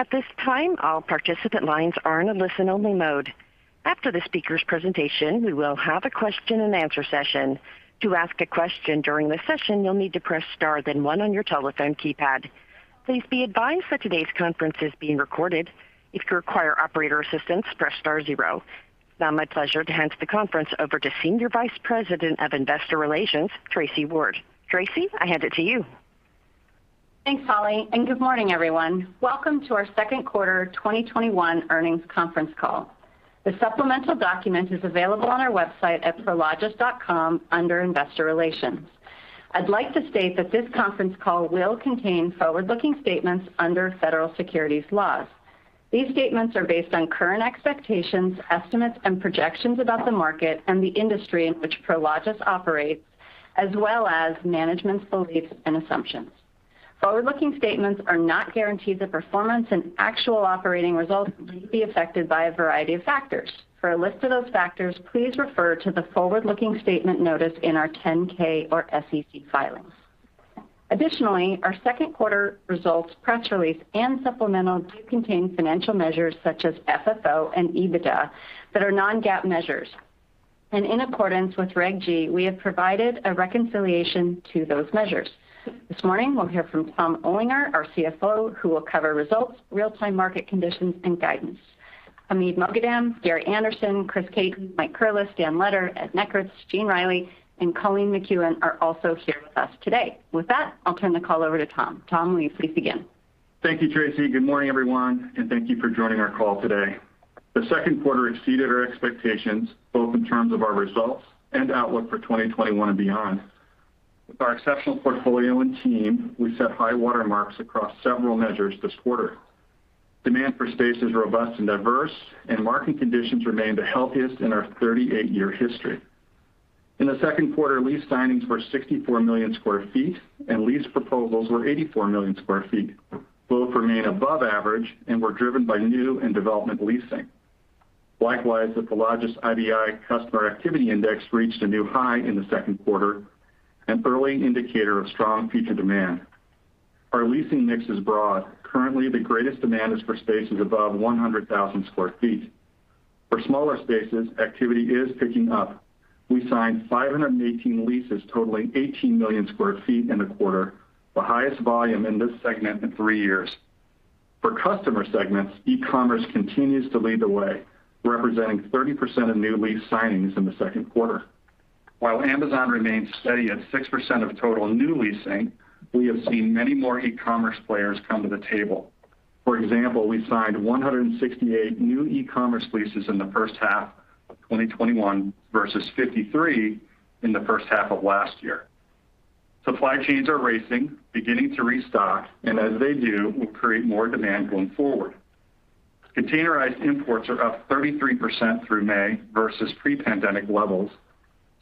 It's now my pleasure to hand the conference over to Senior Vice President of Investor Relations, Tracy Ward. Tracy, I hand it to you. Thanks, Holly, and good morning, everyone. Welcome to our second quarter 2021 earnings conference call. The supplemental document is available on our website at prologis.com under Investor Relations. I'd like to state that this conference call will contain forward-looking statements under federal securities laws. These statements are based on current expectations, estimates, and projections about the market and the industry in which Prologis operates, as well as management's beliefs and assumptions. Forward-looking statements are not guarantees of performance, and actual operating results may be affected by a variety of factors. For a list of those factors, please refer to the forward-looking statement notice in our 10K or SEC filings. Additionally, our second quarter results press release and supplemental do contain financial measures such as FFO and EBITDA that are non-GAAP measures. In accordance with Reg G, we have provided a reconciliation to those measures. This morning we'll hear from Tom Olinger, our CFO, who will cover results, real-time market conditions, and guidance. Hamid Moghadam, Gary Anderson, Chris Caton, Mike Curless, Dan Letter, Ed Nekritz, Gene Reilly, and Colleen McKeown are also here with us today. With that, I'll turn the call over to Tom. Tom, will you please begin? Thank you, Tracy. Good morning, everyone, and thank you for joining our call today. The second quarter exceeded our expectations, both in terms of our results and outlook for 2021 and beyond. With our exceptional portfolio and team, we set high water marks across several measures this quarter. Demand for space is robust and diverse, and market conditions remain the healthiest in our 38-year history. In the second quarter, lease signings were 64 million square feet, and lease proposals were 84 million square feet. Both remain above average and were driven by new and development leasing. Likewise, the Prologis IBI customer activity index reached a new high in the second quarter, an early indicator of strong future demand. Our leasing mix is broad. Currently, the greatest demand is for spaces above 100,000 sq ft. For smaller spaces, activity is picking up. We signed 518 leases totaling 18 million sq ft in the quarter, the highest volume in this segment in three years. For customer segments, e-commerce continues to lead the way, representing 30% of new lease signings in the second quarter. While Amazon remains steady at 6% of total new leasing, we have seen many more e-commerce players come to the table. For example, we signed 168 new e-commerce leases in the first half of 2021 versus 53 in the first half of last year. Supply chains are racing, beginning to restock, and as they do, will create more demand going forward. Containerized imports are up 33% through May versus pre-pandemic levels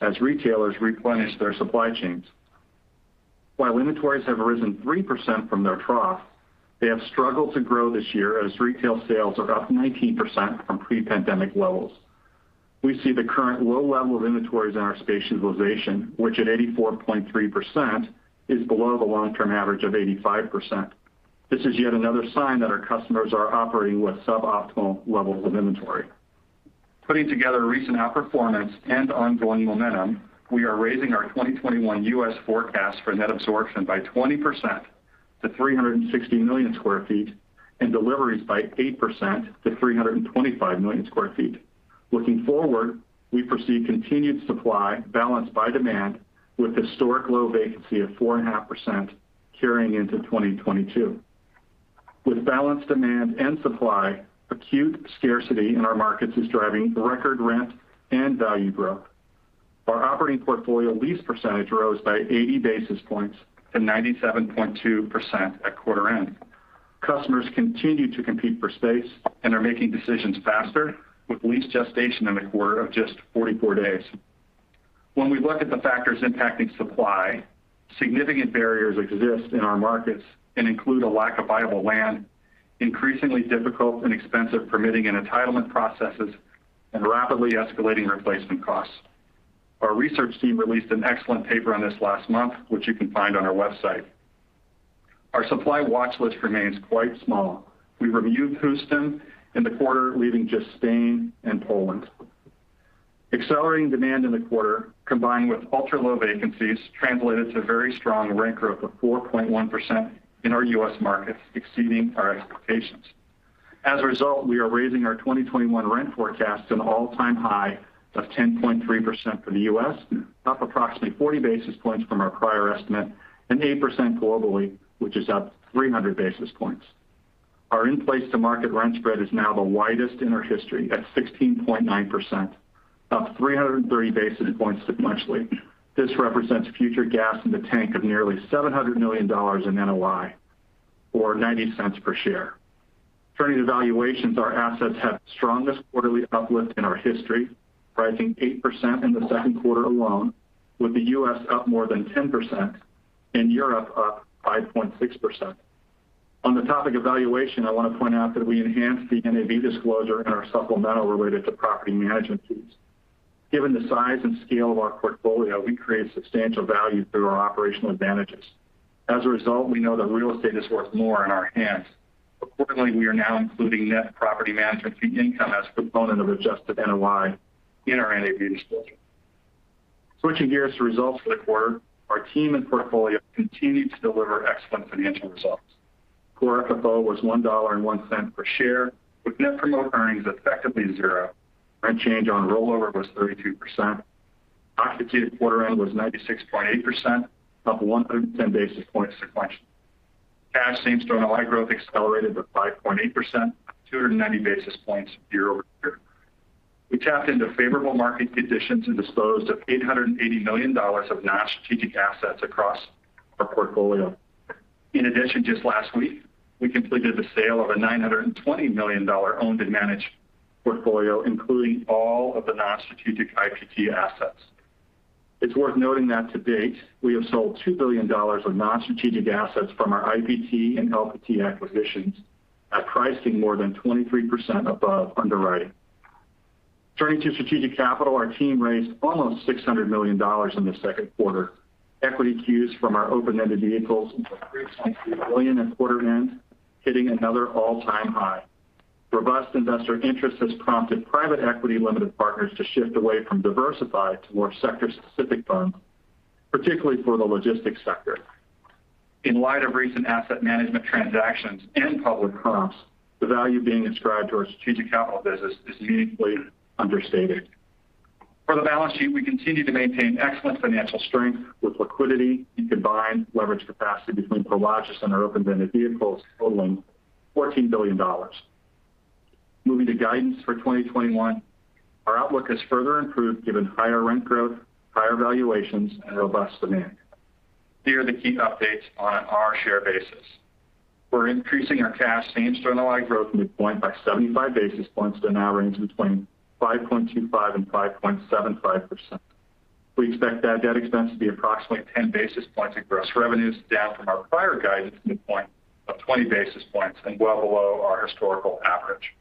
as retailers replenish their supply chains. While inventories have risen 3% from their trough, they have struggled to grow this year as retail sales are up 19% from pre-pandemic levels. We see the current low level of inventories in our space utilization, which at 84.3% is below the long-term average of 85%. This is yet another sign that our customers are operating with suboptimal levels of inventory. Putting together recent outperformance and ongoing momentum, we are raising our 2021 U.S. forecast for net absorption by 20% to 360 million square feet and deliveries by 8% to 325 million square feet. Looking forward, we foresee continued supply balanced by demand with historic low vacancy of 4.5% carrying into 2022. With balanced demand and supply, acute scarcity in our markets is driving record rent and value growth. Our operating portfolio lease percentage rose by 80 basis points to 97.2% at quarter end. Customers continue to compete for space and are making decisions faster with lease gestation in the quarter of just 44 days. We look at the factors impacting supply, significant barriers exist in our markets and include a lack of viable land, increasingly difficult and expensive permitting and entitlement processes, and rapidly escalating replacement costs. Our research team released an excellent paper on this last month, which you can find on our website. Our supply watch list remains quite small. We reviewed Houston in the quarter, leaving just Spain and Poland. Accelerating demand in the quarter, combined with ultra-low vacancies, translated to very strong rent growth of 4.1% in our U.S. markets, exceeding our expectations. As a result, we are raising our 2021 rent forecast to an all-time high of 10.3% for the U.S., up approximately 40 basis points from our prior estimate, and 8% globally, which is up 300 basis points. Our in-place to market rent spread is now the widest in our history at 16.9%, up 330 basis points sequentially. This represents future gas in the tank of nearly $700 million in NOI, or $0.90 per share. Turning to valuations, our assets had the strongest quarterly uplift in our history, rising 8% in the second quarter alone, with the U.S. up more than 10% and Europe up 5.6%. On the topic of valuation, I want to point out that we enhanced the NAV disclosure in our supplemental related to property management fees. Given the size and scale of our portfolio, we create substantial value through our operational advantages. As a result, we know the real estate is worth more in our hands. Accordingly, we are now including net property management fee income as a component of adjusted NOI in our NAV disclosure. Switching gears to results for the quarter, our team and portfolio continued to deliver excellent financial results. Core FFO was $1.01 per share, with net promote earnings effectively zero. Rent change on rollover was 32%. Occupied quarter end was 96.8%, up 110 basis points sequentially. Cash same-store NOI growth accelerated to 5.8%, 290 basis points year-over-year. We tapped into favorable market conditions and disposed of $880 million of non-strategic assets across our portfolio. In addition, just last week, we completed the sale of a $920 million owned and managed portfolio, including all of the non-strategic IPT assets. It's worth noting that to date, we have sold $2 billion of non-strategic assets from our IPT and LPT acquisitions at pricing more than 23% above underwriting. Turning to strategic capital, our team raised almost $600 million in the second quarter. Equity queues from our open-ended vehicles hit $3.3 billion at quarter end, hitting another all-time high. Robust investor interest has prompted private equity limited partners to shift away from diversified to more sector-specific funds, particularly for the logistics sector. In light of recent asset management transactions and public comps, the value being ascribed to our strategic capital business is meaningfully understated. For the balance sheet, we continue to maintain excellent financial strength with liquidity and combined leverage capacity between Prologis and our open-ended vehicles totaling $14 billion. Moving to guidance for 2021, our outlook has further improved given higher rent growth, higher valuations, and robust demand. Here are the key updates on our share basis. We're increasing our cash same-store NOI growth midpoint by 75 basis points to now range between 5.25% and 5.75%. We expect bad debt expense to be approximately 10 basis points of gross revenues, down from our prior guidance midpoint of 20 basis points and well below our historical average.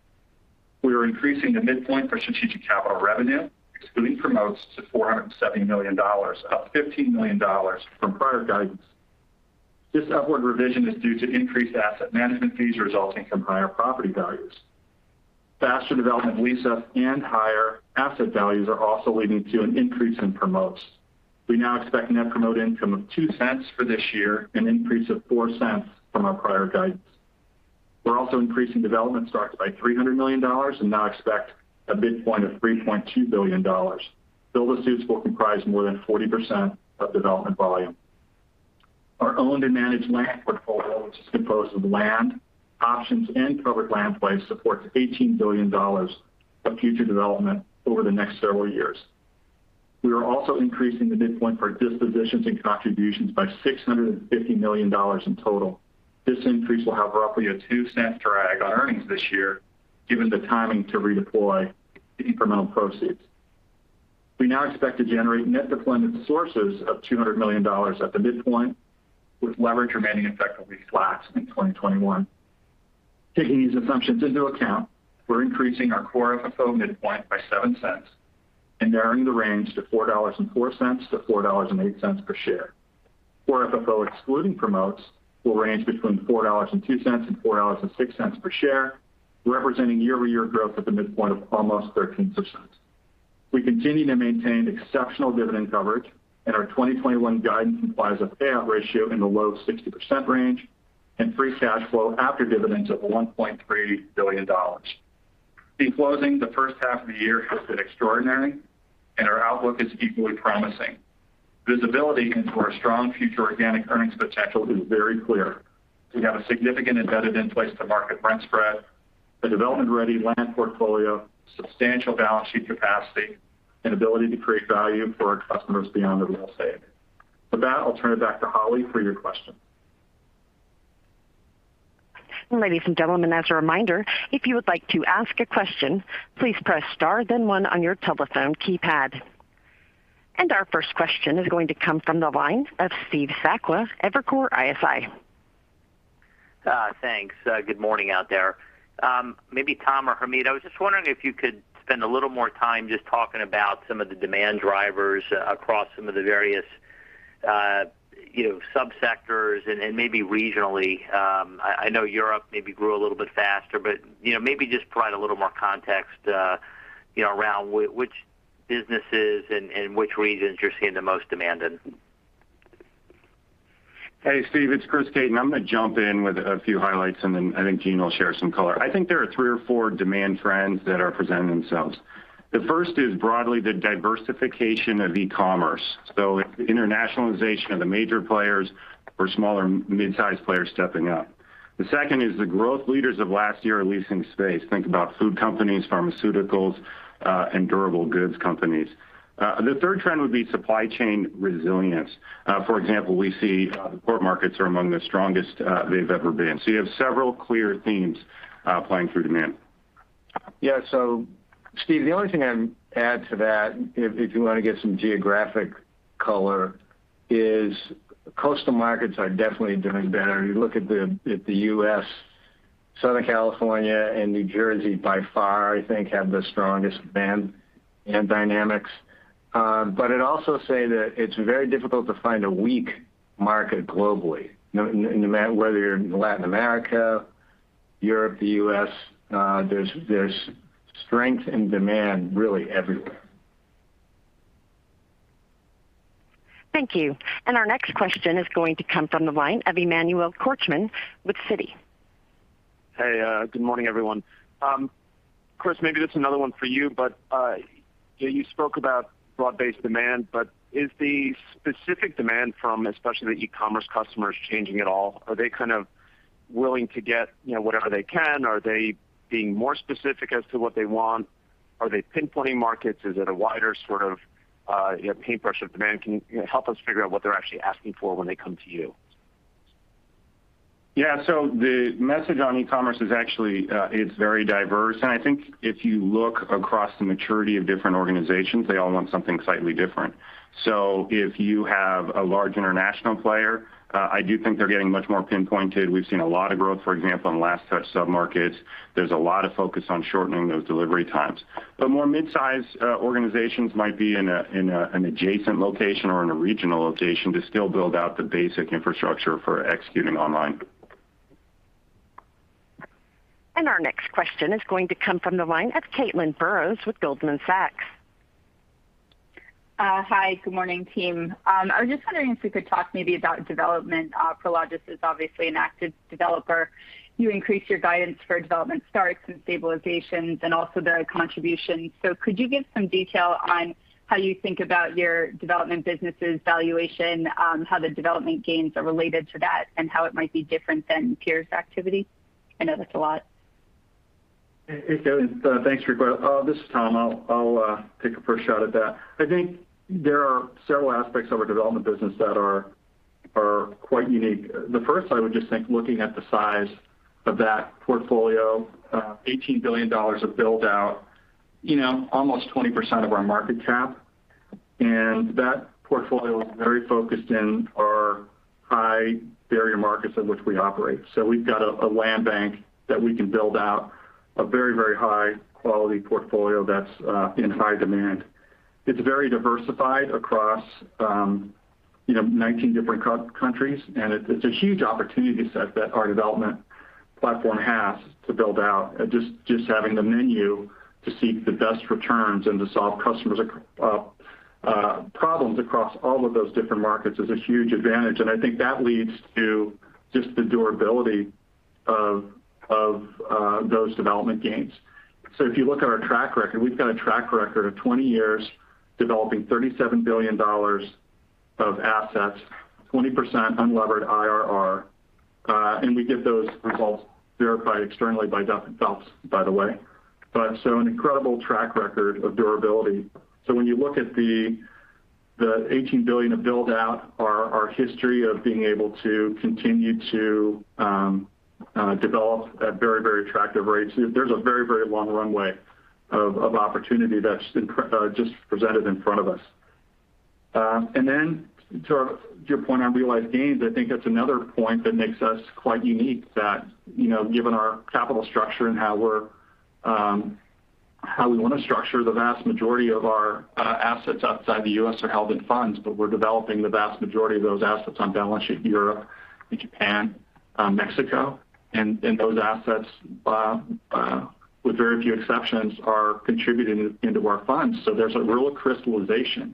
We are increasing the midpoint for strategic capital revenue, excluding promotes, to $470 million, up $15 million from prior guidance. This upward revision is due to increased asset management fees resulting from higher property values. Faster development lease-up and higher asset values are also leading to an increase in promotes. We now expect net promote income of $0.02 for this year, an increase of $0.04 from our prior guidance. We are also increasing development starts by $300 million and now expect a midpoint of $3.2 billion. Build-to-suits will comprise more than 40% of development volume. Our owned and managed land portfolio, which is composed of land options and covered land plays, supports $18 billion of future development over the next several years. We are also increasing the midpoint for dispositions and contributions by $650 million in total. This increase will have roughly a $0.02 drag on earnings this year, given the timing to redeploy the incremental proceeds. We now expect to generate net deployment sources of $200 million at the midpoint, with leverage remaining effectively flat in 2021. Taking these assumptions into account, we're increasing our Core FFO midpoint by $0.07 and narrowing the range to $4.04-$4.08 per share. Core FFO excluding promotes will range between $4.02 and $4.06 per share, representing year-over-year growth at the midpoint of almost 13%. We continue to maintain exceptional dividend coverage, and our 2021 guidance implies a payout ratio in the low 60% range and free cash flow after dividends of $1.3 billion. In closing, the first half of the year has been extraordinary, and our outlook is equally promising. Visibility into our strong future organic earnings potential is very clear. We have a significant embedded in-place-to-market rent spread, a development-ready land portfolio, substantial balance sheet capacity, and ability to create value for our customers beyond the real estate. With that, I'll turn it back to Holly for your questions. Ladies and gentlemen, as a reminder, if you would like to ask a question, please press star then one on your telephone keypad. Our first question is going to come from the line of Steve Sakwa, Evercore ISI. Thanks. Good morning out there. Maybe Tom or Hamid, I was just wondering if you could spend a little more time just talking about some of the demand drivers across some of the various subsectors and maybe regionally. I know Europe maybe grew a little bit faster, but maybe just provide a little more context around which businesses and which regions you're seeing the most demand in. Hey, Steve, it's Chris Caton. I'm going to jump in with a few highlights, and then I think Gene will share some color. I think there are three or four demand trends that are presenting themselves. The first is broadly the diversification of e-commerce. Internationalization of the major players or smaller mid-size players stepping up. The second is the growth leaders of last year are leasing space. Think about food companies, pharmaceuticals, and durable goods companies. The third trend would be supply chain resilience. For example, we see the port markets are among the strongest they've ever been. You have several clear themes playing through demand. Yeah. Steve, the only thing I'd add to that, if you want to get some geographic color, is coastal markets are definitely doing better. You look at the U.S. Southern California and New Jersey by far, I think, have the strongest demand dynamics. I'd also say that it's very difficult to find a weak market globally. No matter whether you're in Latin America, Europe, the U.S., there's strength in demand really everywhere. Thank you. Our next question is going to come from the line of Emmanuel Korchman with Citi. Hey, good morning, everyone. Chris, maybe this is another one for you, but you spoke about broad-based demand. Is the specific demand from especially the e-commerce customers changing at all? Are they kind of willing to get whatever they can? Are they being more specific as to what they want? Are they pinpointing markets? Is it a wider sort of paintbrush of demand? Can you help us figure out what they're actually asking for when they come to you? Yeah. The message on e-commerce is actually very diverse, and I think if you look across the maturity of different organizations, they all want something slightly different. If you have a large international player, I do think they're getting much more pinpointed. We've seen a lot of growth, for example, in last-mile submarkets. There's a lot of focus on shortening those delivery times. More mid-size organizations might be in an adjacent location or in a regional location to still build out the basic infrastructure for executing online. Our next question is going to come from the line of Caitlin Burrows with Goldman Sachs. Hi, good morning, team. I was just wondering if you could talk maybe about development. Prologis is obviously an active developer. You increased your guidance for development starts and stabilizations and also their contributions. Could you give some detail on how you think about your development business' valuation, how the development gains are related to that, and how it might be different than peers' activity? I know that's a lot. Hey, Caitlin. Thanks for your question. This is Tom. I'll take a first shot at that. I think there are several aspects of our development business that are quite unique. The first, I would just think, looking at the size of that portfolio, $18 billion of build-out, almost 20% of our market cap. That portfolio is very focused in our high-barrier markets in which we operate. We've got a land bank that we can build out a very high-quality portfolio that's in high demand. It's very diversified across 19 different countries, and it's a huge opportunity set that our development platform has to build out. Just having the menu to seek the best returns and to solve customers' problems across all of those different markets is a huge advantage, and I think that leads to just the durability of those development gains. If you look at our track record, we've got a track record of 20 years developing $37 billion of assets, 20% unlevered IRR, and we get those results verified externally by Duff & Phelps, by the way. An incredible track record of durability. When you look at the $18 billion of build-out, our history of being able to continue to develop at very attractive rates, there's a very long runway of opportunity that's just presented in front of us. To your point on realized gains, I think that's another point that makes us quite unique that, given our capital structure and how we want to structure the vast majority of our assets outside the U.S. are held in funds, but we're developing the vast majority of those assets on balance sheet in Europe, in Japan, Mexico. Those assets, with very few exceptions, are contributed into our funds. There's a real crystallization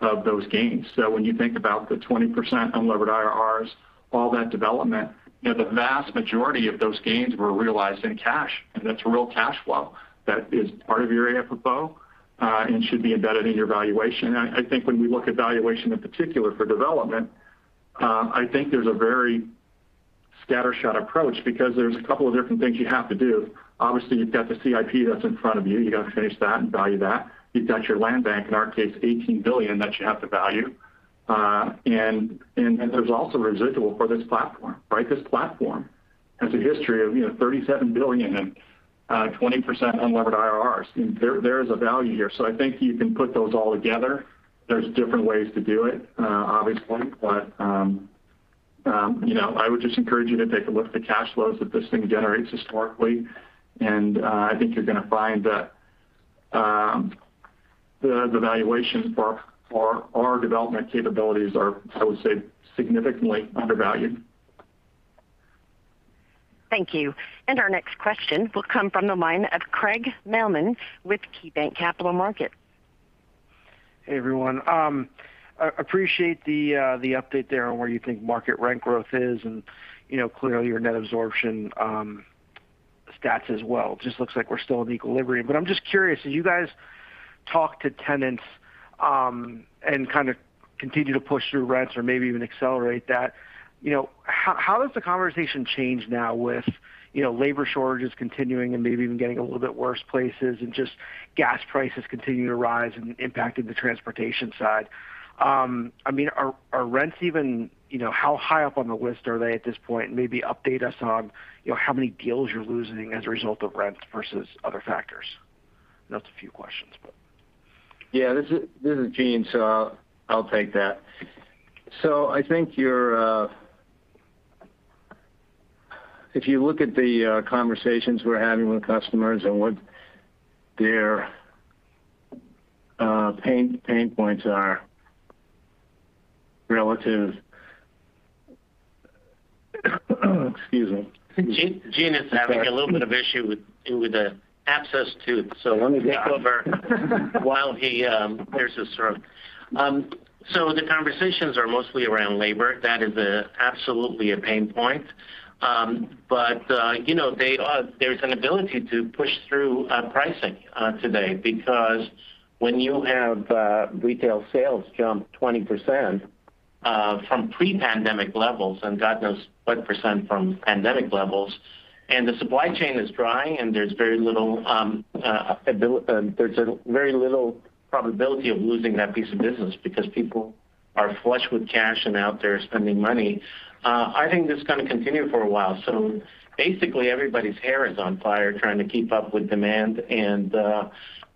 of those gains. When you think about the 20% unlevered IRRs, all that development, the vast majority of those gains were realized in cash, and that's real cash flow. That is part of your AFFO, and should be embedded in your valuation. I think when we look at valuation in particular for development, I think there's a very scattershot approach because there's a couple of different things you have to do. Obviously, you've got the CIP that's in front of you. You got to finish that and value that. You've got your land bank, in our case, $18 billion that you have to value. There's also residual for this platform. This platform has a history of $37 billion and 20% unlevered IRRs. There is a value here. I think you can put those all together. There's different ways to do it, obviously. I would just encourage you to take a look at the cash flows that this thing generates historically, and I think you're going to find that the valuations for our development capabilities are, I would say, significantly undervalued. Thank you. Our next question will come from the line of Craig Mailman with KeyBanc Capital Markets. Hey, everyone. Appreciate the update there on where you think market rent growth is and clearly, your net absorption stats as well. Just looks like we're still in equilibrium. I'm just curious, as you guys talk to tenants and kind of continue to push through rents or maybe even accelerate that, how does the conversation change now with labor shortages continuing and maybe even getting a little bit worse places and just gas prices continuing to rise and impacting the transportation side? I mean, are rents even, how high up on the list are they at this point? Maybe update us on how many deals you're losing as a result of rents versus other factors. I know that's a few questions. Yeah, this is Gene, I'll take that. I think if you look at the conversations we're having with customers and what their pain points are relative. Excuse me. Gene is having a little bit of issue with an abscess tooth. Let me take over while he clears his throat. The conversations are mostly around labor. That is absolutely a pain point. There's an ability to push through pricing today because when you have retail sales jump 20% from pre-pandemic levels, and God knows what percent from pandemic levels, and the supply chain is drying, and there's very little probability of losing that piece of business because people are flush with cash and out there spending money. I think that's going to continue for a while. Basically, everybody's hair is on fire trying to keep up with demand.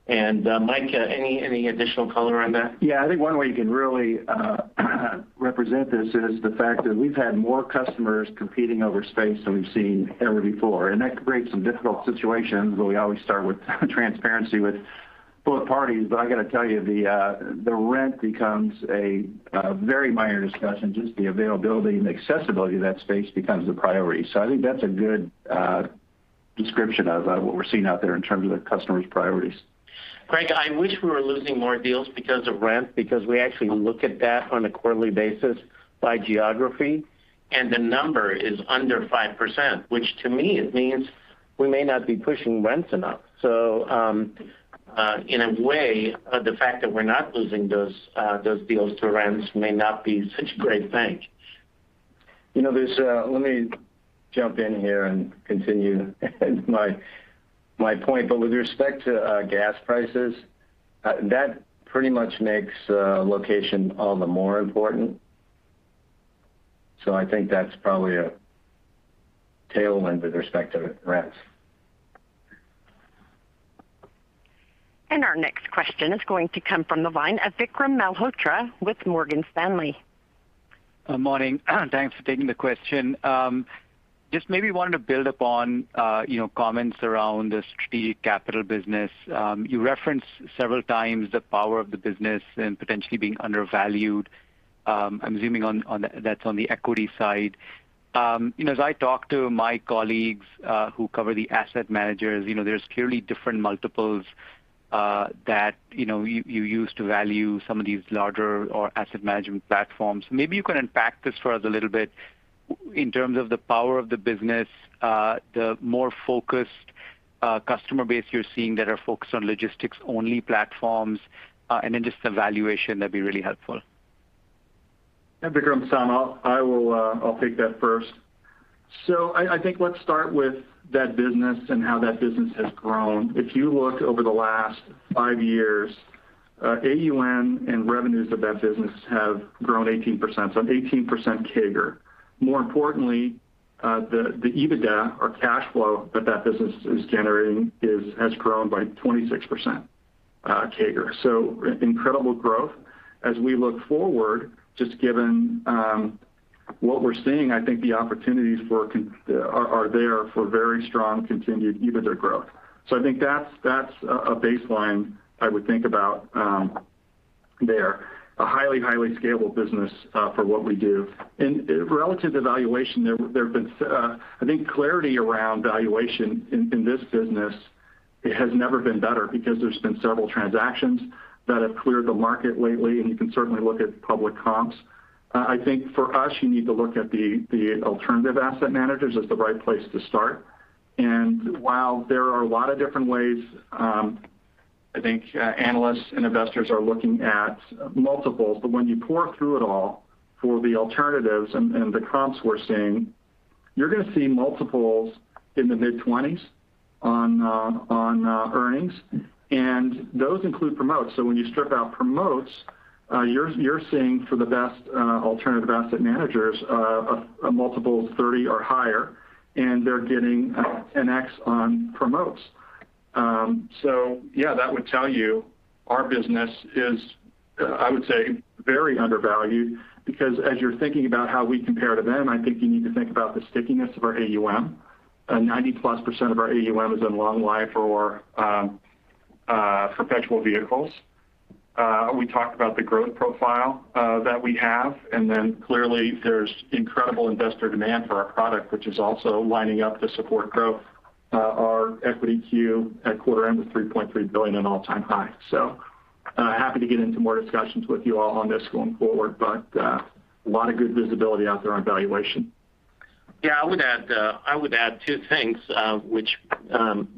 Mike, any additional color on that? Yeah, I think one way you can really represent this is the fact that we've had more customers competing over space than we've seen ever before. That creates some difficult situations, but we always start with transparency with both parties. I got to tell you, the rent becomes a very minor discussion. Just the availability and accessibility of that space becomes the priority. I think that's a good description of what we're seeing out there in terms of the customers' priorities. Frank, I wish we were losing more deals because of rent, because we actually look at that on a quarterly basis by geography. The number is under 5%, which to me means we may not be pushing rents enough. In a way, the fact that we're not losing those deals to rents may not be such a great thing. Let me jump in here and continue my point. With respect to gas prices, that pretty much makes location all the more important. I think that's probably a tailwind with respect to rents. Our next question is going to come from the line of Vikram Malhotra with Morgan Stanley. Morning. Thanks for taking the question. Just maybe wanted to build upon comments around the strategic capital business. You referenced several times the power of the business and potentially being undervalued. I'm assuming that's on the equity side. As I talk to my colleagues who cover the asset managers, there's clearly different multiples that you use to value some of these larger or asset management platforms. Maybe you can unpack this for us a little bit in terms of the power of the business, the more focused customer base you're seeing that are focused on logistics-only platforms, and then just the valuation. That'd be really helpful. Yeah, Vikram, I'll take that first. I think let's start with that business and how that business has grown. If you look over the last 5 years, AUM and revenues of that business have grown 18%, 18% CAGR. More importantly, the EBITDA or cash flow that that business is generating has grown by 26% CAGR. Incredible growth. As we look forward, just given what we're seeing, I think the opportunities are there for very strong continued EBITDA growth. I think that's a baseline I would think about there. A highly scalable business for what we do. Relative to valuation, I think clarity around valuation in this business has never been better because there's been several transactions that have cleared the market lately, and you can certainly look at public comps. I think for us, you need to look at the alternative asset managers as the right place to start. While there are a lot of different ways, I think analysts and investors are looking at multiples. When you pore through it all for the alternatives and the comps we're seeing, you're going to see multiples in the mid-20s on earnings, and those include promotes. When you strip out promotes, you're seeing for the best alternative asset managers, a multiple of 30 or higher, and they're getting an X on promotes. Yeah, that would tell you our business is, I would say, very undervalued because as you're thinking about how we compare to them, I think you need to think about the stickiness of our AUM. 90%+ of our AUM is in long life or perpetual vehicles. We talked about the growth profile that we have. Clearly there's incredible investor demand for our product, which is also lining up to support growth. Our equity queue at quarter end was $3.3 billion, an all-time high. We are happy to get into more discussions with you all on this going forward, but a lot of good visibility out there on valuation. Yeah, I would add two things which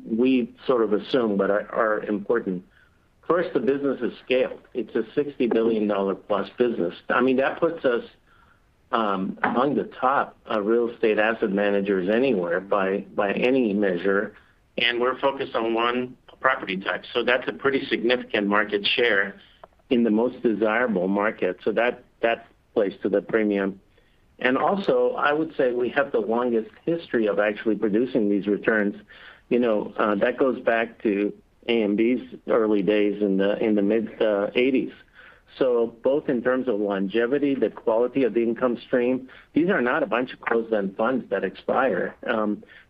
we sort of assume but are important. First, the business has scaled. It's a $60 billion-plus business. That puts us among the top real estate asset managers anywhere by any measure, and we're focused on one property type. That's a pretty significant market share in the most desirable market. That plays to the premium, and also, I would say we have the longest history of actually producing these returns. That goes back to AMB's early days in the mid-'80s. Both in terms of longevity, the quality of the income stream, these are not a bunch of closed-end funds that expire.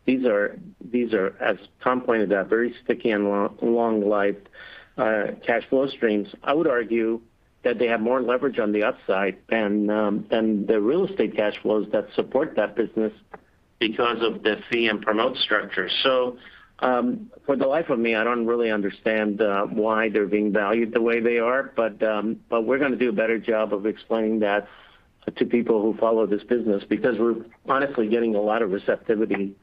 These are, as Tom pointed out, very sticky and long-lived cash flow streams. I would argue that they have more leverage on the upside than the real estate cash flows that support that business because of the fee and promote structure. For the life of me, I don't really understand why they're being valued the way they are. We're going to do a better job of explaining that to people who follow this business because we're honestly getting a lot of receptivity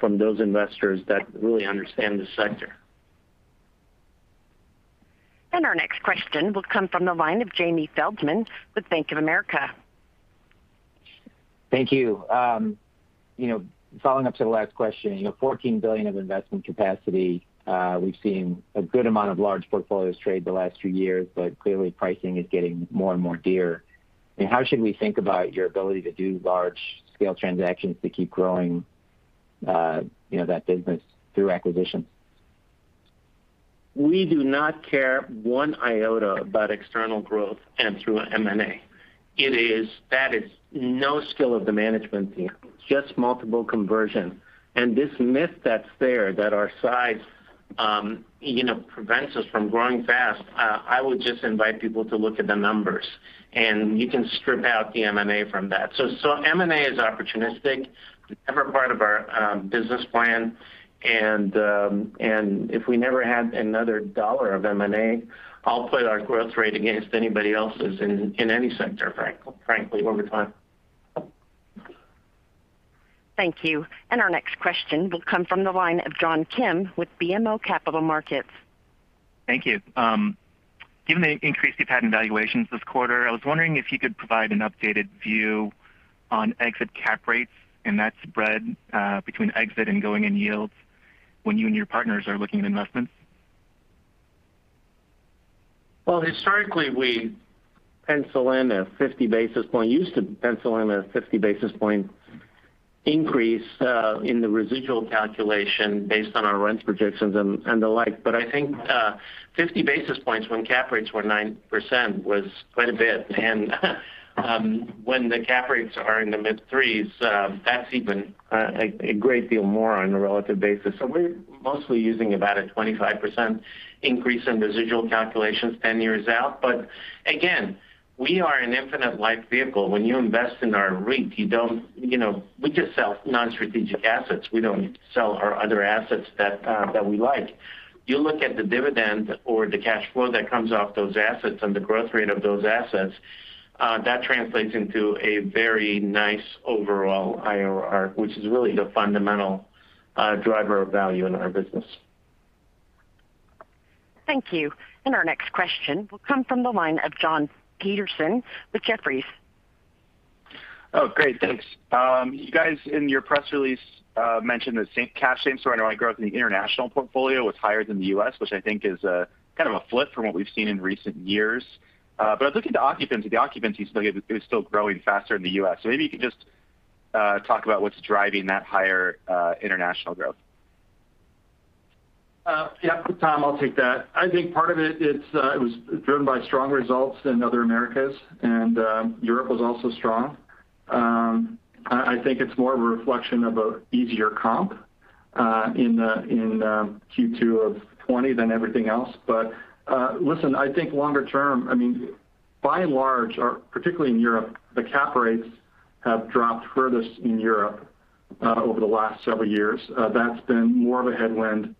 from those investors that really understand the sector. Our next question will come from the line of Jamie Feldman with Bank of America. Thank you. Following up to the last question, $14 billion of investment capacity. We've seen a good amount of large portfolios trade the last few years, but clearly pricing is getting more and more dear. How should we think about your ability to do large-scale transactions to keep growing that business through acquisitions? We do not care one iota about external growth and through M&A. That is no skill of the management team, just multiple conversion. This myth that's there that our size prevents us from growing fast, I would just invite people to look at the numbers, and you can strip out the M&A from that. M&A is opportunistic, never part of our business plan, and if we never had another $1 of M&A, I'll put our growth rate against anybody else's in any sector, frankly, over time. Thank you. Our next question will come from the line of John Kim with BMO Capital Markets. Thank you. Given the increase you've had in valuations this quarter, I was wondering if you could provide an updated view on exit cap rates and that spread between exit and going-in yields when you and your partners are looking at investments? Well, historically, we used to pencil in a 50 basis point increase in the residual calculation based on our rent projections and the like. I think 50 basis points when cap rates were 9% was quite a bit. When the cap rates are in the mid 3s, that's even a great deal more on a relative basis. We're mostly using about a 25% increase in residual calculations 10 years out. Again, we are an infinite life vehicle. When you invest in our REIT, we just sell non-strategic assets. We don't sell our other assets that we like. You look at the dividend or the cash flow that comes off those assets and the growth rate of those assets, that translates into a very nice overall IRR, which is really the fundamental driver of value in our business. Thank you. Our next question will come from the line of Jon Petersen with Jefferies. Great. Thanks. You guys, in your press release, mentioned the same cash growth in the international portfolio was higher than the U.S., which I think is kind of a flip from what we've seen in recent years. I was looking at the occupancy. The occupancy is still growing faster in the U.S. Maybe you could just talk about what's driving that higher international growth. Yeah. Tom, I'll take that. I think part of it was driven by strong results in other Americas, and Europe was also strong. I think it's more of a reflection of an easier comp in Q2 2020 than everything else. Listen, I think longer term, by and large, particularly in Europe, the cap rates have dropped furthest in Europe over the last several years. That's been more of a headwind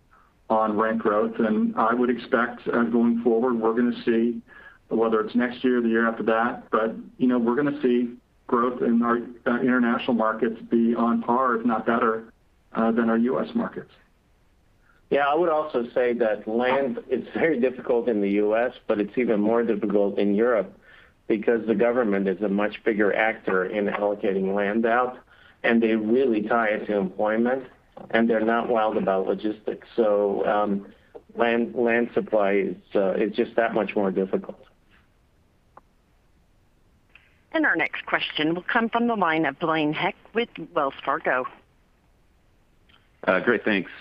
on rent growth. I would expect, going forward, we're going to see, whether it's next year or the year after that, but we're going to see growth in our international markets be on par, if not better, than our U.S. markets. Yeah, I would also say that land is very difficult in the U.S., but it's even more difficult in Europe because the government is a much bigger actor in allocating land out, and they really tie it to employment, and they're not wild about logistics. Land supply is just that much more difficult. Our next question will come from the line of Blaine Heck with Wells Fargo. Great. Thanks.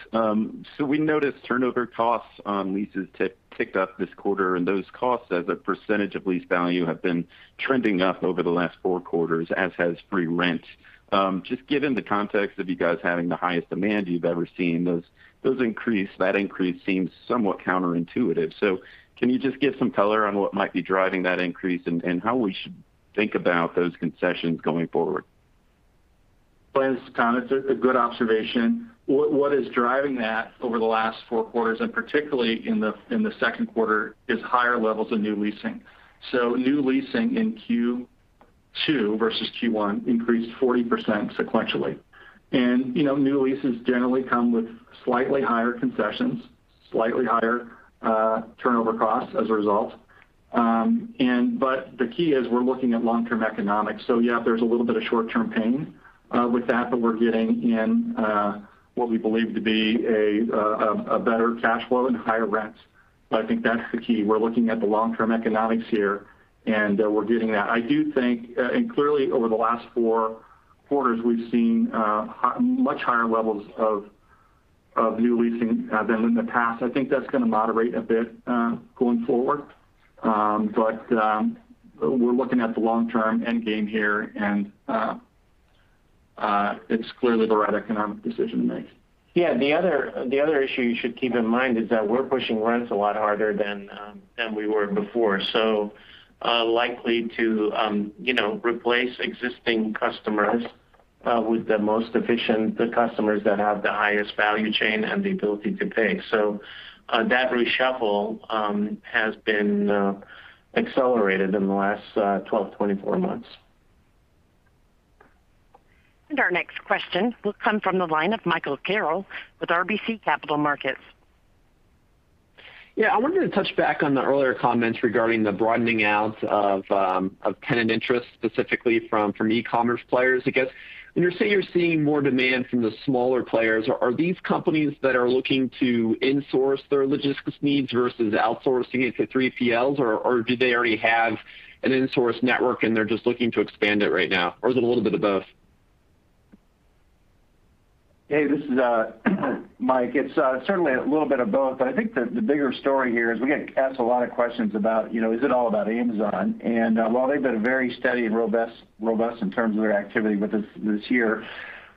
We noticed turnover costs on leases ticked up this quarter, and those costs as a percentage of lease value have been trending up over the last four quarters, as has free rent. Just given the context of you guys having the highest demand you've ever seen, that increase seems somewhat counterintuitive. Can you just give some color on what might be driving that increase and how we should think about those concessions going forward? Blaine, this is Tom. It's a good observation. What is driving that over the last four quarters, and particularly in the second quarter, is higher levels of new leasing. New leasing in Q2 versus Q1 increased 40% sequentially. New leases generally come with slightly higher concessions, slightly higher turnover costs as a result. The key is we're looking at long-term economics. Yeah, there's a little bit of short-term pain with that, but we're getting in what we believe to be a better cash flow and higher rents. I think that's the key. We're looking at the long-term economics here, and we're getting that. I do think, and clearly over the last four quarters, we've seen much higher levels of new leasing than in the past. I think that's going to moderate a bit going forward. We're looking at the long-term end game here, and it's clearly the right economic decision to make. Yeah. The other issue you should keep in mind is that we're pushing rents a lot harder than we were before. Likely to replace existing customers with the most efficient, the customers that have the highest value chain and the ability to pay. That reshuffle has been accelerated in the last 12, 24 months. Our next question will come from the line of Michael Carroll with RBC Capital Markets. Yeah. I wanted to touch back on the earlier comments regarding the broadening out of tenant interest, specifically from e-commerce players. I guess, when you say you're seeing more demand from the smaller players, are these companies that are looking to insource their logistics needs versus outsourcing it to 3PLs? Or do they already have an insourced network and they're just looking to expand it right now? Or is it a little bit of both? Hey, this is Mike. It's certainly a little bit of both. I think the bigger story here is we get asked a lot of questions about, is it all about Amazon? While they've been very steady and robust in terms of their activity with us this year,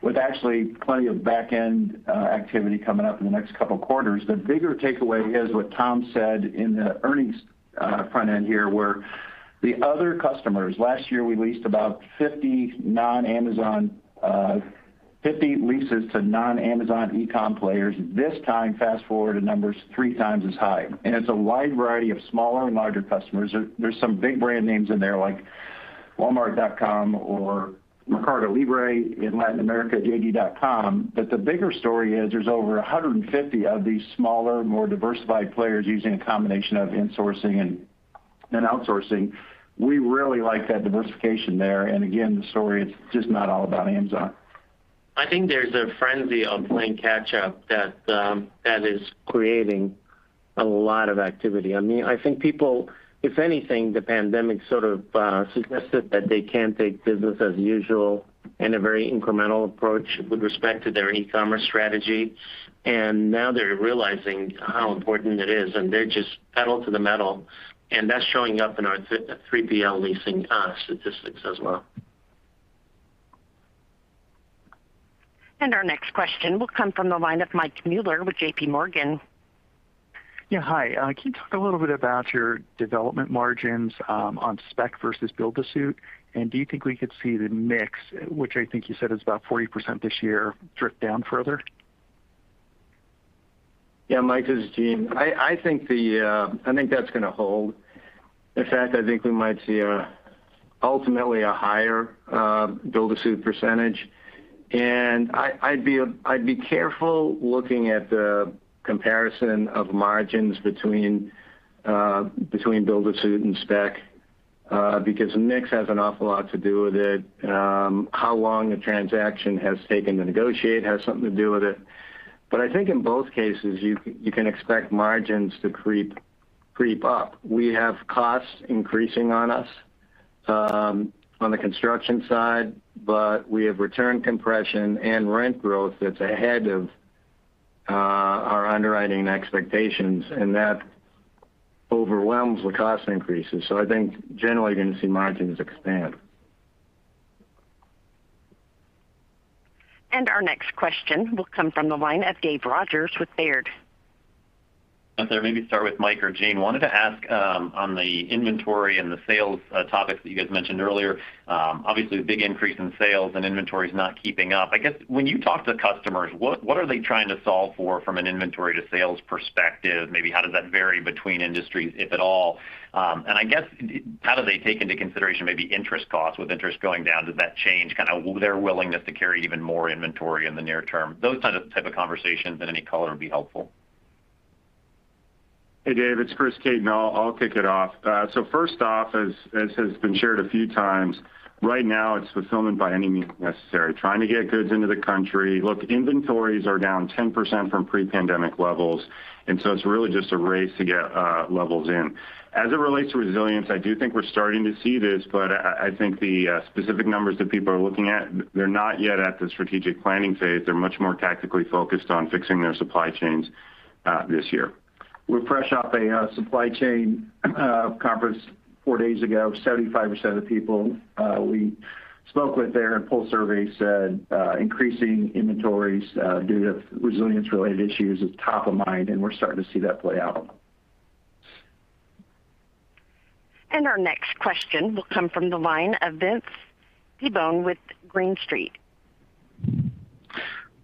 with actually plenty of back-end activity coming up in the next couple of quarters. The bigger takeaway is what Tom said in the earnings front end here, where the other customers. Last year, we leased about 50 leases to non-Amazon e-com players. This time, fast-forward, the number's 3x as high. It's a wide variety of smaller and larger customers. There's some big brand names in there like Walmart.com or MercadoLibre in Latin America, JD.com. The bigger story is there's over 150 of these smaller, more diversified players using a combination of insourcing and outsourcing. We really like that diversification there. Again, the story, it's just not all about Amazon. I think there's a frenzy of playing catch up that is creating a lot of activity. I think people, if anything, the pandemic sort of suggested that they can't take business as usual in a very incremental approach with respect to their e-commerce strategy. Now they're realizing how important it is, and they're just pedal to the metal, and that's showing up in our 3PL leasing statistics as well. Our next question will come from the line of Mike Mueller with JPMorgan. Yeah. Hi. Can you talk a little bit about your development margins on spec versus build-to-suit? Do you think we could see the mix, which I think you said is about 40% this year, drift down further? Yeah, Mike, this is Gene. I think that's going to hold. In fact, I think we might see ultimately a higher build-to-suit %. I'd be careful looking at the comparison of margins between build-to-suit and spec, because mix has an awful lot to do with it. How long a transaction has taken to negotiate has something to do with it. I think in both cases, you can expect margins to creep up. We have costs increasing on us on the construction side. We have return compression and rent growth that's ahead of our underwriting expectations, and that overwhelms the cost increases. I think generally, you're going to see margins expand. Our next question will come from the line of Dave Rodgers with Baird. If I maybe start with Mike or Gene. Wanted to ask on the inventory and the sales topics that you guys mentioned earlier. Obviously, a big increase in sales and inventory's not keeping up. I guess when you talk to customers, what are they trying to solve for from an inventory to sales perspective? Maybe how does that vary between industries, if at all? I guess how do they take into consideration maybe interest costs with interest going down? Does that change kind of their willingness to carry even more inventory in the near term? Those type of conversations in any color would be helpful. Hey, Dave, it's Chris Caton. I'll kick it off. First off, as has been shared a few times, right now it's fulfillment by any means necessary. Trying to get goods into the country. Look, inventories are down 10% from pre-pandemic levels, it's really just a race to get levels in. As it relates to resilience, I do think we're starting to see this, but I think the specific numbers that people are looking at, they're not yet at the strategic planning phase. They're much more tactically focused on fixing their supply chains this year. We're fresh off a supply chain conference four days ago. 75% of the people we spoke with there in pulse survey said increasing inventories due to resilience-related issues is top of mind, and we're starting to see that play out. Our next question will come from the line of Vince Tibone with Green Street.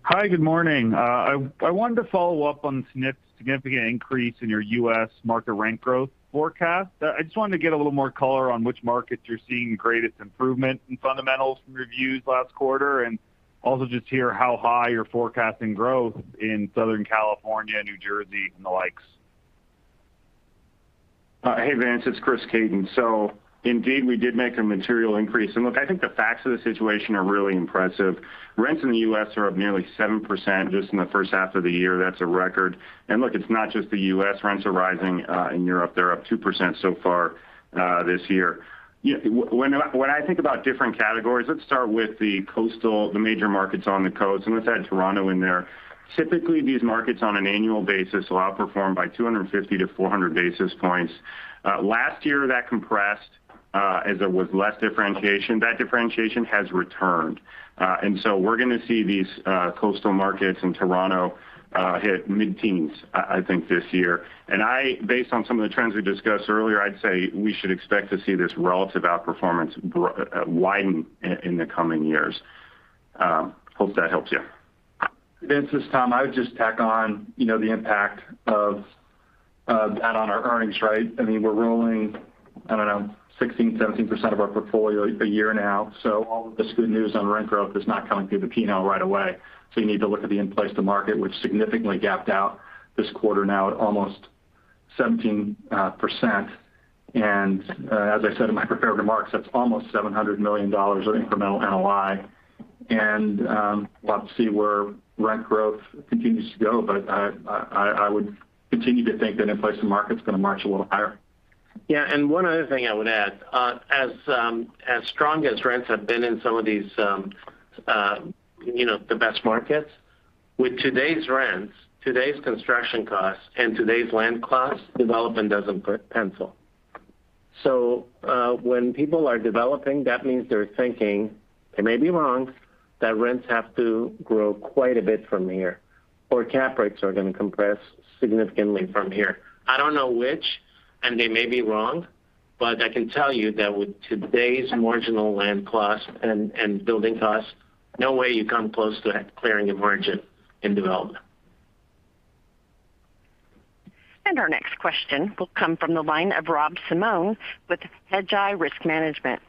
Hi, good morning. I wanted to follow up on the significant increase in your U.S. market rent growth forecast. I just wanted to get a little more color on which markets you're seeing the greatest improvement in fundamentals from reviews last quarter, and also just hear how high you're forecasting growth in Southern California, New Jersey, and the likes. Hey, Vince, it's Chris Caton. Indeed, we did make a material increase. Look, I think the facts of the situation are really impressive. Rents in the U.S. are up nearly 7% just in the first half of the year. That's a record. Look, it's not just the U.S. Rents are rising, in Europe. They're up 2% so far this year. When I think about different categories, let's start with the major markets on the coasts, and let's add Toronto in there. Typically, these markets on an annual basis will outperform by 250-400 basis points. Last year, that compressed, as there was less differentiation. That differentiation has returned. We're going to see these coastal markets in Toronto hit mid-teens, I think, this year. Based on some of the trends we discussed earlier, I'd say we should expect to see this relative outperformance widen in the coming years. Hope that helps you. Vince, it's Tom. I would just tack on the impact of that on our earnings, right? We're rolling, I don't know, 16%-17% of our portfolio a year now. All of this good news on rent growth is not coming through the P&L right away. You need to look at the in-place to market, which significantly gapped out this quarter now at almost 17%, and as I said in my prepared remarks, that's almost $700 million of incremental NOI, and we'll have to see where rent growth continues to go. I would continue to think that in-place to market's going to march a little higher. Yeah, one other thing I would add. As strong as rents have been in some of the best markets, with today's rents, today's construction costs, and today's land costs, development doesn't pencil. When people are developing, that means they're thinking, they may be wrong, that rents have to grow quite a bit from here, or cap rates are going to compress significantly from here. I don't know which, and they may be wrong, but I can tell you that with today's marginal land cost and building costs, no way you come close to clearing a margin in development. Our next question will come from the line of Rob Simone with Hedgeye Risk Management.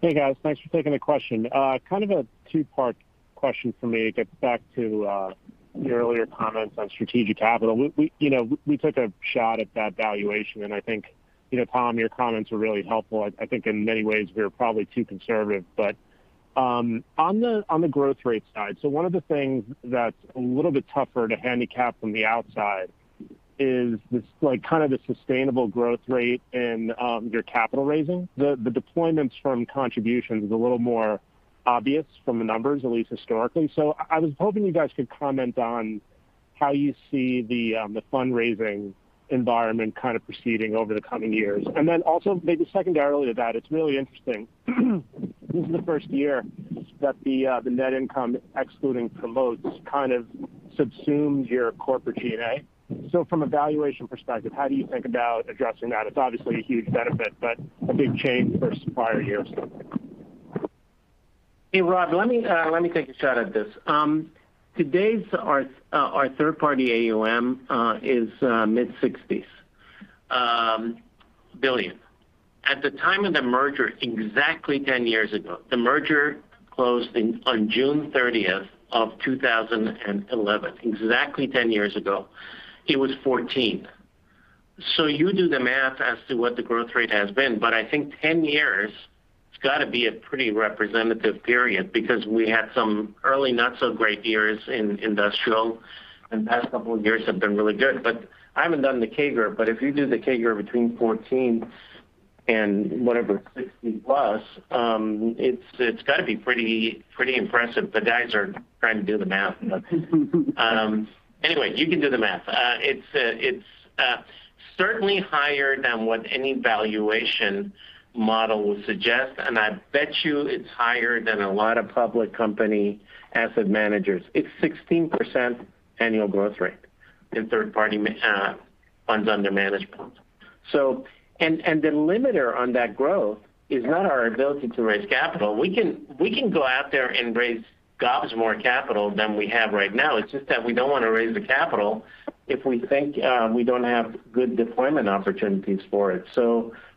Hey, guys. Thanks for taking the question. Kind of a two-part question from me. It gets back to your earlier comments on strategic capital. We took a shot at that valuation, and I think Tom, your comments were really helpful. I think in many ways we were probably too conservative. On the growth rate side, one of the things that's a little bit tougher to handicap from the outside is kind of the sustainable growth rate in your capital raising. The deployments from contributions is a little more obvious from the numbers, at least historically. I was hoping you guys could comment on how you see the fundraising environment kind of proceeding over the coming years. Also maybe secondarily to that, it's really interesting. This is the first year that the net income excluding promotes kind of subsumes your corporate G&A. From a valuation perspective, how do you think about addressing that? It's obviously a huge benefit, but a big change versus prior years. Hey, Rob, let me take a shot at this. Today, our third-party AUM is $mid-60s billion. At the time of the merger exactly 10 years ago, the merger closed on June 30th, 2011, exactly 10 years ago, it was $14 billion. You do the math as to what the growth rate has been. I think 10 years, it's got to be a pretty representative period because we had some early not so great years in industrial, and the past couple of years have been really good. I haven't done the CAGR, but if you do the CAGR between $14 billion and whatever, $60 billion plus, it's got to be pretty impressive. The guys are trying to do the math. Anyway, you can do the math. It's certainly higher than what any valuation model would suggest, and I bet you it's higher than a lot of public company asset managers. It's 16% annual growth rate in third-party funds under management. The limiter on that growth is not our ability to raise capital. We can go out there and raise gobs more capital than we have right now. It's just that we don't want to raise the capital if we think we don't have good deployment opportunities for it.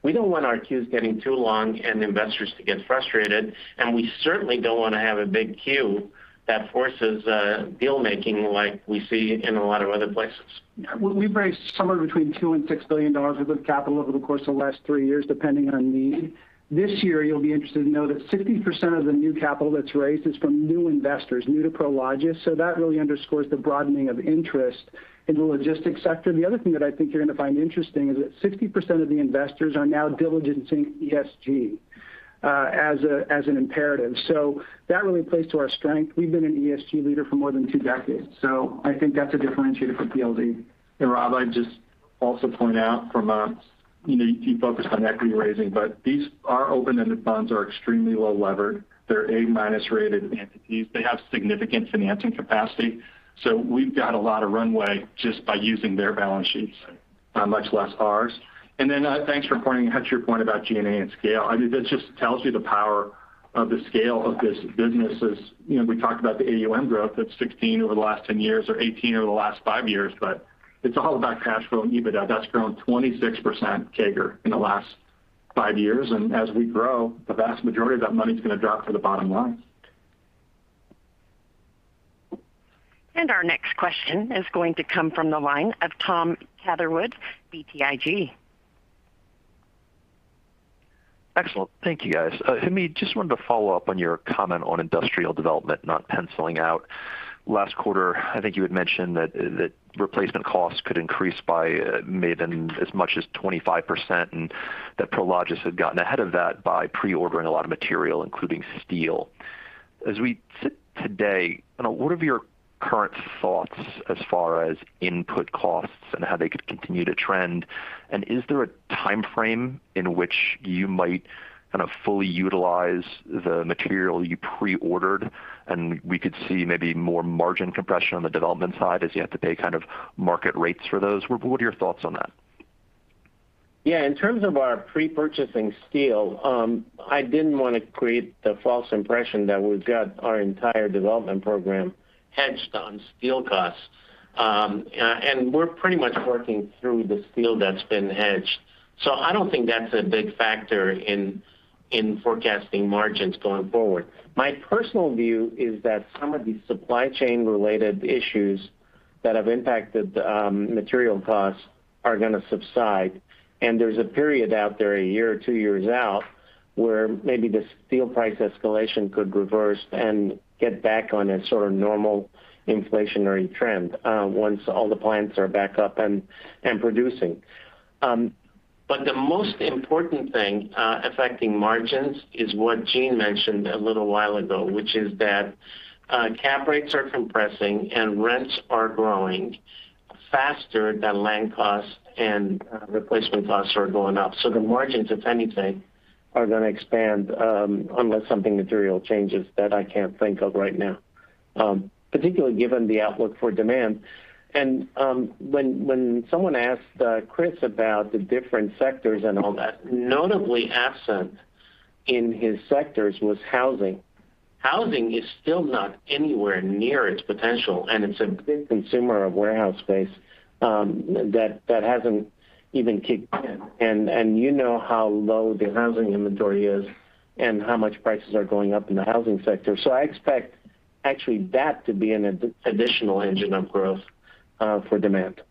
We don't want our queues getting too long and investors to get frustrated, and we certainly don't want to have a big queue that forces deal-making like we see in a lot of other places. We've raised somewhere between $2 and $6 billion of good capital over the course of the last three years, depending on need. This year, you'll be interested to know that 60% of the new capital that's raised is from new investors, new to Prologis. That really underscores the broadening of interest in the logistics sector. The other thing that I think you're going to find interesting is that 60% of the investors are now diligencing ESG as an imperative. That really plays to our strength. We've been an ESG leader for more than 2 decades. I think that's a differentiator for PLD. Rob, I'd just also point out you focused on equity raising, but these, our open-ended funds are extremely well levered. They're A-minus rated entities. They have significant financing capacity. We've got a lot of runway just by using their balance sheets, much less ours. Thanks for pointing out your point about G&A and scale. That just tells you the power of the scale of this business. As we talked about the AUM growth, that's 16 over the last 10 years or 18 over the last five years, but it's all about cash flow and EBITDA. That's grown 26% CAGR in the last five years. As we grow, the vast majority of that money's going to drop to the bottom line. Our next question is going to come from the line of Tom Catherwood, BTIG. Excellent. Thank you, guys. Hamid, just wanted to follow up on your comment on industrial development not penciling out. Last quarter, I think you had mentioned that replacement costs could increase by maybe as much as 25%, and that Prologis had gotten ahead of that by pre-ordering a lot of material, including steel. As we sit today, what are your current thoughts as far as input costs and how they could continue to trend? Is there a timeframe in which you might kind of fully utilize the material you pre-ordered, and we could see maybe more margin compression on the development side as you have to pay kind of market rates for those? What are your thoughts on that? In terms of our pre-purchasing steel, I didn't want to create the false impression that we've got our entire development program hedged on steel costs. We're pretty much working through the steel that's been hedged. I don't think that's a big factor in forecasting margins going forward. My personal view is that some of these supply chain related issues that have impacted the material costs are going to subside, and there's a period out there, one-two years out, where maybe the steel price escalation could reverse and get back on a sort of normal inflationary trend, once all the plants are back up and producing. The most important thing affecting margins is what Gene mentioned a little while ago, which is that cap rates are compressing and rents are growing faster than land costs and replacement costs are going up. The margins, if anything, are going to expand, unless something material changes that I can't think of right now, particularly given the outlook for demand. When someone asked Chris about the different sectors and all that, notably absent in his sectors was housing. Housing is still not anywhere near its potential, and it's a big consumer of warehouse space that hasn't even kicked in. You know how low the housing inventory is and how much prices are going up in the housing sector. I expect actually that to be an additional engine of growth for demand.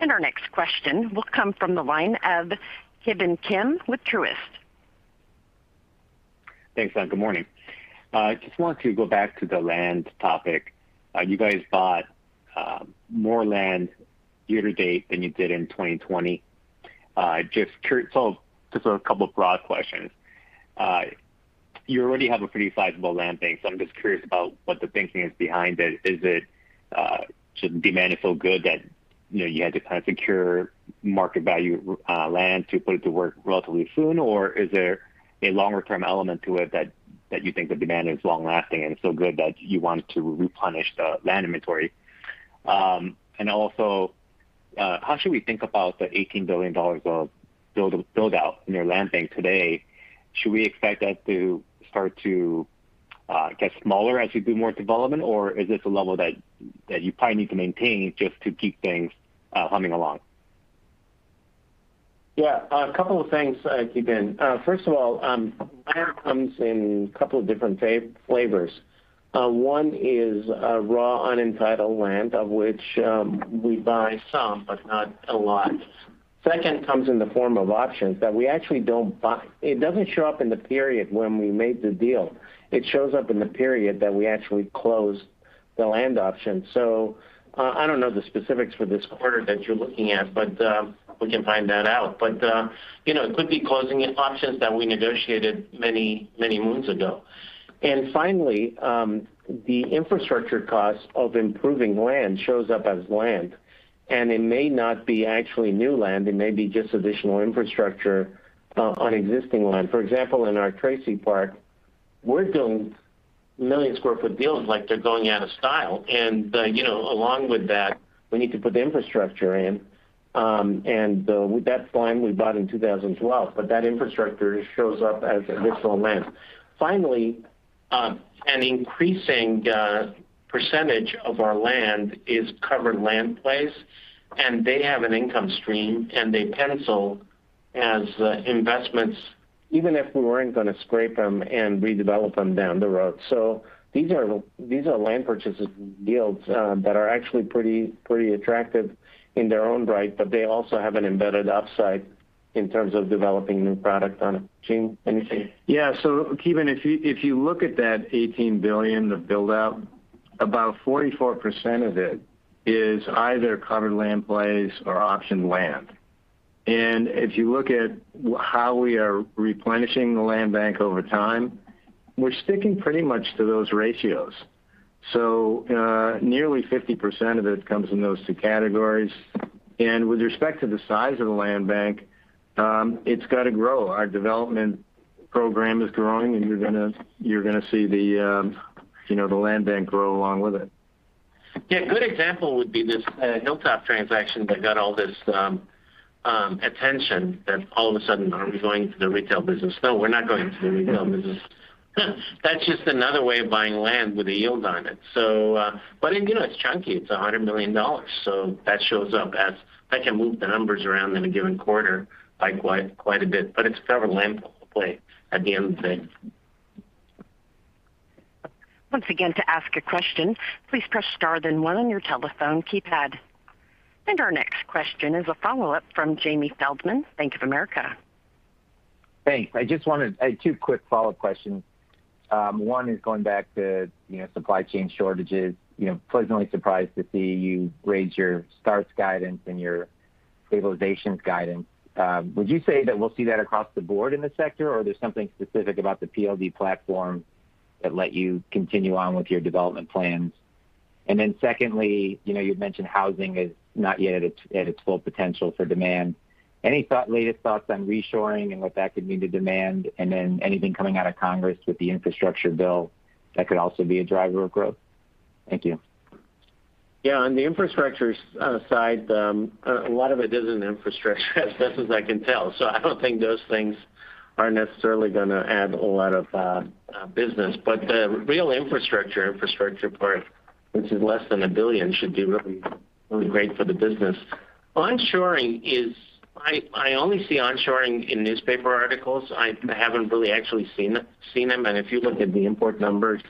Our next question will come from the line of Ki Bin Kim with Truist. Thanks. Good morning. Just wanted to go back to the land topic. You guys bought more land year to date than you did in 2020. Just a couple of broad questions. You already have a pretty sizable land bank. I'm just curious about what the thinking is behind it. Is it demand is so good that you had to kind of secure market value land to put it to work relatively soon, or is there a longer term element to it that you think the demand is long lasting and so good that you want to replenish the land inventory? How should we think about the $18 billion of build out in your land bank today? Should we expect that to start to get smaller as you do more development, or is this a level that you probably need to maintain just to keep things humming along? Yeah. A couple of things, Ki Bin. First of all, land comes in a couple of different flavors. One is raw, unentitled land, of which we buy some, but not a lot. Second comes in the form of options that we actually don't buy. It doesn't show up in the period when we made the deal. It shows up in the period that we actually close the land option. I don't know the specifics for this quarter that you're looking at, but we can find that out. It could be closing options that we negotiated many moons ago. Finally, the infrastructure cost of improving land shows up as land, and it may not be actually new land. It may be just additional infrastructure on existing land. For example, in our Tracy Park, we're doing million sq ft deals like they're going out of style. Along with that, we need to put the infrastructure in. That's land we bought in 2012. That infrastructure shows up as additional land. Finally, an increasing percentage of our land is covered land plays, and they have an income stream, and they pencil as investments even if we weren't going to scrape them and redevelop them down the road. These are land purchases deals that are actually pretty attractive in their own right, but they also have an embedded upside in terms of developing new product on it. Gene, anything? Yeah. Ki Bin, if you look at that $18 billion of build out, about 44% of it is either covered land plays or option land. If you look at how we are replenishing the land bank over time, we're sticking pretty much to those ratios. Nearly 50% of it comes in those two categories. With respect to the size of the land bank, it's got to grow. Our development program is growing, and you're going to see the land bank grow along with it. Yeah. A good example would be this Hilltop transaction that got all this attention that all of a sudden, are we going into the retail business? No, we're not going into the retail business. That's just another way of buying land with a yield on it. It's chunky. It's $100 million. That shows up. That can move the numbers around in a given quarter by quite a bit. It's covered land play at the end of the day. Our next question is a follow-up from Jamie Feldman, Bank of America. Thanks. I just wanted two quick follow-up questions. One is going back to supply chain shortages. Pleasantly surprised to see you raise your starts guidance and your stabilizations guidance. Would you say that we'll see that across the board in the sector, or there's something specific about the PLD platform that let you continue on with your development plans? Secondly, you've mentioned housing is not yet at its full potential for demand. Any latest thoughts on reshoring and what that could mean to demand? Anything coming out of Congress with the infrastructure bill that could also be a driver of growth? Thank you. Yeah, on the infrastructure side, a lot of it isn't infrastructure, as best as I can tell. I don't think those things are necessarily going to add a lot of business. The real infrastructure part, which is less than $1 billion, should do really great for the business. Onshoring I only see onshoring in newspaper articles. I haven't really actually seen them. If you look at the import numbers,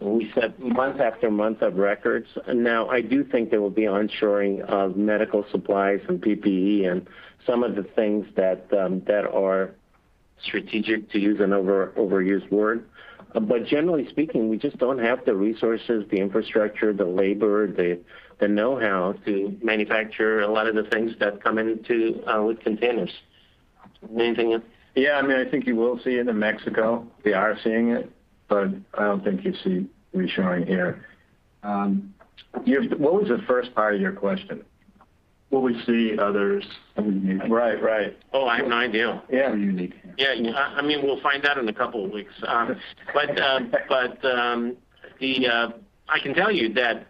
we've had month after month of records. Now, I do think there will be onshoring of medical supplies and PPE and some of the things that are strategic, to use an overused word. Generally speaking, we just don't have the resources, the infrastructure, the labor, the know-how to manufacture a lot of the things that come in with containers. Yeah, I think you will see it in Mexico. We are seeing it, but I don't think you see reshoring here. What was the first part of your question? Will we see others? Right. Oh, I have no idea. Yeah. Unique. Yeah. We'll find out in a couple of weeks. I can tell you that,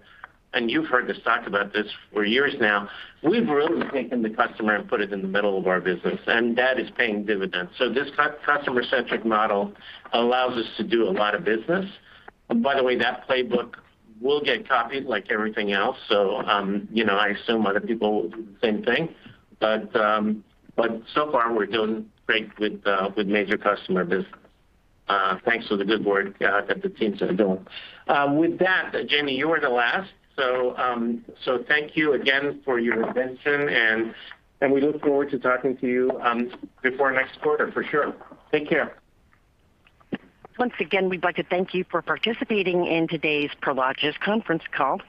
and you've heard us talk about this for years now, we've really taken the customer and put it in the middle of our business, and that is paying dividends. This customer-centric model allows us to do a lot of business. By the way, that playbook will get copied like everything else, so I assume other people will do the same thing. So far, we're doing great with major customer business. Thanks for the good work that the teams are doing. With that, Jamie, you were the last. Thank you again for your attention, and we look forward to talking to you before next quarter for sure. Take care. Once again, we'd like to thank you for participating in today's Prologis conference call.